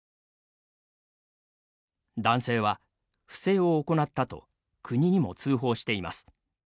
男性は「不正を行った」と国にも通報しています。